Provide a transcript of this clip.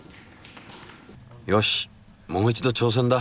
よしもう一度挑戦だ！